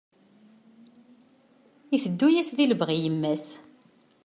Iteddu-yas di lebɣi i yemma-s.